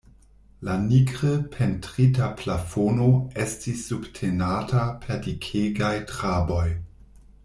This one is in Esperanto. La nigre pentrita plafono estis subtenata per dikegaj traboj.